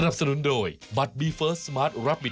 โปรดติดตามตอนต่อไป